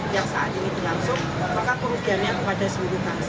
yang saat ini dilangsung maka kemudiannya kepada seluruh bangsa